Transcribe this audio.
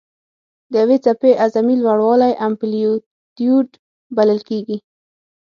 د یوې څپې اعظمي لوړوالی امپلیتیوډ بلل کېږي.